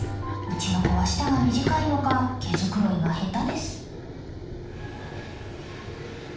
うちの子は舌が短いのか毛繕いが下手です。